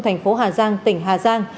thành phố hà giang tỉnh hà giang